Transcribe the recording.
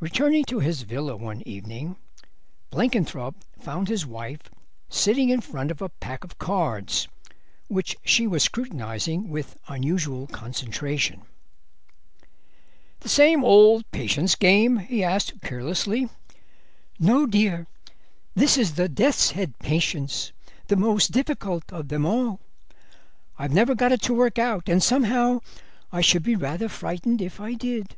Returning to his villa one evening Blenkinthrope found his wife sitting in front of a pack of cards, which she was scrutinising with unusual concentration. "The same old patience game?" he asked carelessly. "No, dear; this is the Death's Head patience, the most difficult of them all. I've never got it to work out, and somehow I should be rather frightened if I did.